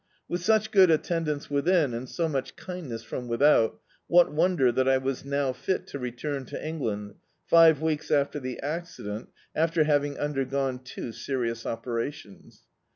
With such good attendance within, and so much kindness from without, what wonder that I was now fit to return to England, five weeks after the acci dent, after having undeigone two serious operations